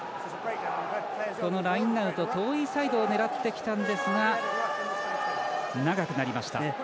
このラインアウト遠いサイドを狙ってきたんですが長くなりました。